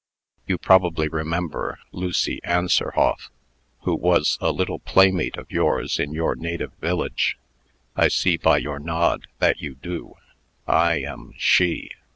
You probably remember Lucy Anserhoff, who was a little playmate of yours in your native village? I see, by your nod, that you do. I am she.